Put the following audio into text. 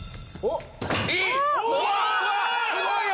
すごいよ！